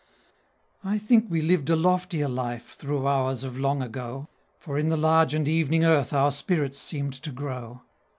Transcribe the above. I think we lived a loftier life through hours of Long Ago, For in the largened evening earth our spirits seemed to grow.